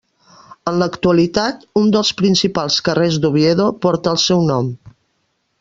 En l'actualitat un dels principals carrers d'Oviedo porta el seu nom.